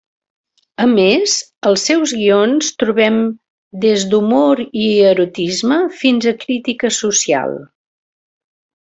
A més, als seus guions trobem des d'humor i erotisme fins a crítica social.